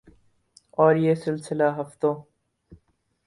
اور یہ سلسلہ ہفتوں